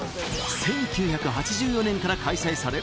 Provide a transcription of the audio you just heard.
１９８４年から開催され